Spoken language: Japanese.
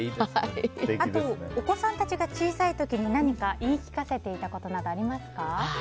あとお子さんたちが小さい時に何か言い聞かせていたこととかありますか？